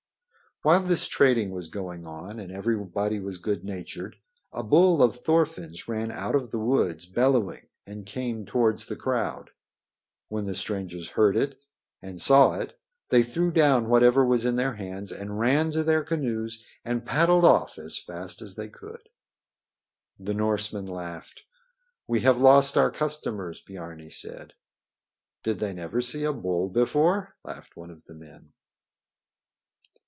While this trading was going on and everybody was good natured, a bull of Thorfinn's ran out of the woods bellowing and came towards the crowd. When the strangers heard it and saw it they threw down whatever was in their hands and ran to their canoes and paddled off as fast as they could. The Norsemen laughed. "We have lost our customers," Biarni said. "Did they never see a bull before?" laughed one of the men.